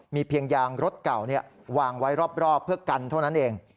มีเพียงยางรถเก่าวางไว้รอบเพื่อกันเท่านั้นเอง